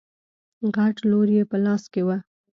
غټ لور يې په لاس کې و.